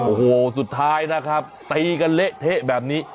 โอ้โหสุดท้ายนะครับตีกันเละเทะแบบนี้